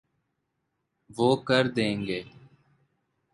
وہ کر دیں گے۔